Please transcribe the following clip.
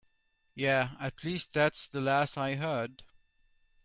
Yeah, at least that's the last I heard.